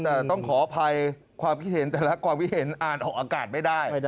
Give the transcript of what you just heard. แต่ต้องขออภัยความคิดเห็นแต่ละความคิดเห็นอ่านออกอากาศไม่ได้